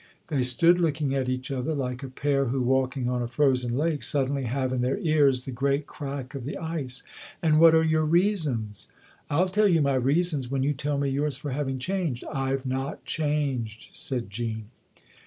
They stood looking at each other like a pair who, 176 THE OTHER HOUSE walking on a frozen lake, suddenly have in their ears the great crack of the ice. " And what are your reasons ?"" I'll tell you my reasons when you tell me yours for having changed." " I've not changed/' said Jean.